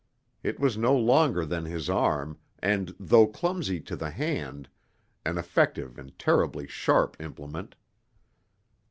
It was no longer than his arm and though clumsy to the hand, an effective and terribly sharp implement.